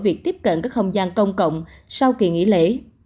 việc tiếp cận các không gian công cộng sau kỳ nghỉ lễ